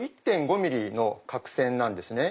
１．５ｍｍの角線なんですね